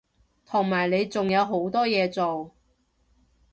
同埋你仲有好多嘢做